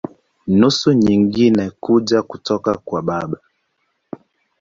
Nusu nyingine kuja kutoka kwa baba.